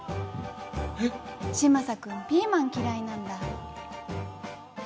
嶋佐君、ピーマン嫌いなんだ。